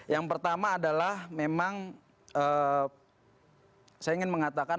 yang pertama adalah memang saya ingin mengatakan